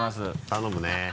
頼むね。